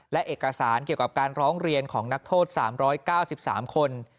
และเอกสารเกี่ยวกับการร้องเรียนของนักโทษ๓๙๓คน